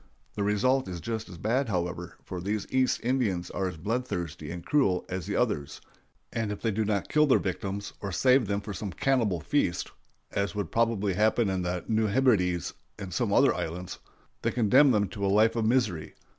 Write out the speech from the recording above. The result is just as bad, however; for these East Indians are as bloodthirsty and cruel as the others, and if they do not kill their victims, or save them for some cannibal feast (as would probably happen in the New Hebrides and some other islands), they condemn them to a life of misery.